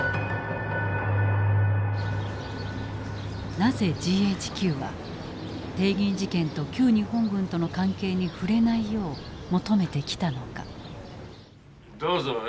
なぜＧＨＱは帝銀事件と旧日本軍との関係に触れないよう求めてきたのか。